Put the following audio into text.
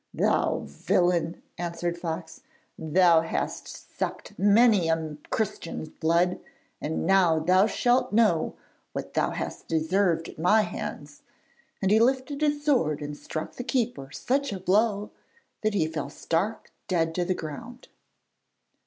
'Thou villain!' answered Fox, 'thou hast sucked many a Christian's blood, and now thou shalt know what thou hast deserved at my hands,' and he lifted his sword and struck the keeper such a blow that he fell stark dead to the ground.